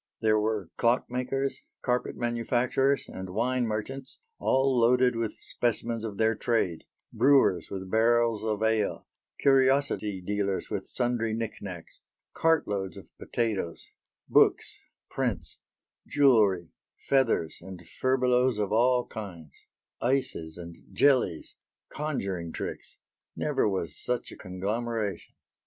There were clockmakers, carpet manufacturers and wine merchants, all loaded with specimens of their trade; brewers with barrels of ale, curiosity dealers with sundry knickknacks; cartloads of potatoes; books, prints, jewellery, feathers and furbelows of all kinds; ices and jellies; conjuring tricks; never was such a conglomeration.